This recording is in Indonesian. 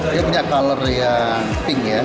dia punya color yang pink ya